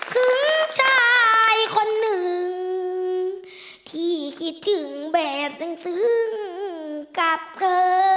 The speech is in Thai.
คือชายคนหนึ่งที่คิดถึงแบบซึ้งกับเธอ